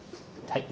はい。